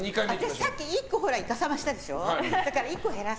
私、さっき１個いかさましたでしょ。